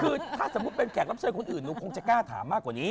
คือถ้าสมมุติเป็นแขกรับเชิญคนอื่นหนูคงจะกล้าถามมากกว่านี้